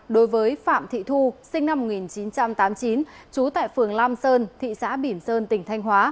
đối với phạm thị thu sinh năm một nghìn chín trăm tám mươi chín trú tại phường lam sơn thị xã bỉm sơn tỉnh thanh hóa